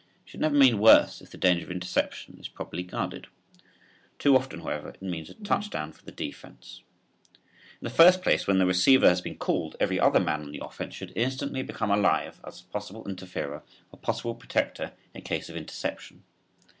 It should never mean worse if the danger of interception is properly guarded. Too often, however, it means a touchdown for the defense. In the first place when the receiver has been called every other man on the offense should instantly become alive as a possible interferer or possible protector in case of interception.